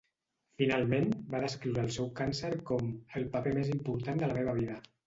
Finalment, va descriure el seu càncer com "el paper més important de la meva vida".